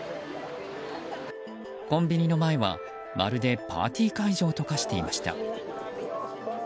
コンビニの前はまるでパーティー会場と化していました。